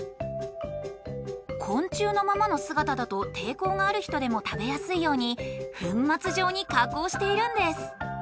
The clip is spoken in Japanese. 昆虫のままのすがただと抵抗がある人でも食べやすいように粉末状に加工しているんです。